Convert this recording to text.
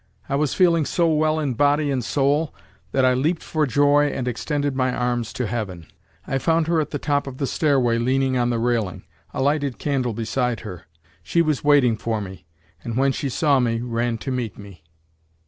I was feeling so well in body and soul, that I leaped for joy and extended my arms to heaven. I found her at the top of the stairway, leaning on the railing, a lighted candle beside her. She was waiting for me and when she saw me ran to meet me.